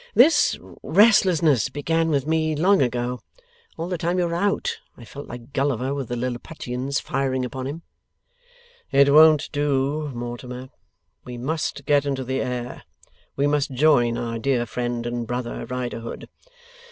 'This restlessness began with me, long ago. All the time you were out, I felt like Gulliver with the Lilliputians firing upon him.' 'It won't do, Mortimer. We must get into the air; we must join our dear friend and brother, Riderhood.